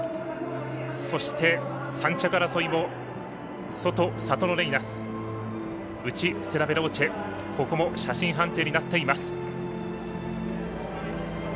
そして、３着争いも外、サトノレイナス内、ステラヴェローチェここも写真判定になっています。